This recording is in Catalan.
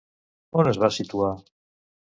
On es va situar?